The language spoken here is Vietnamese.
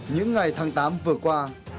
những ngày tháng tám vừa qua